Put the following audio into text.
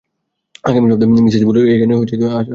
আগামী সপ্তাহে মিসেস বুলের এখানে আসার সম্ভাবনা।